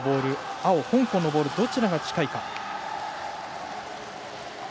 青、香港のボールどちらが近いか。